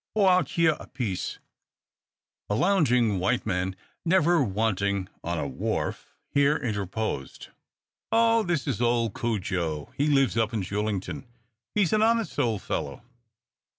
"Oh! out he'yr a piece." A lounging white man, never wanting on a wharf, here interposed: "Oh! this is old Cudjo. He lives up Julington. He's an honest old fellow."